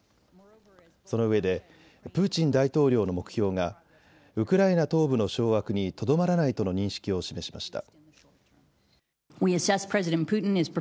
そのうえでプーチン大統領の目標がウクライナ東部の掌握にとどまらないとの認識を示しました。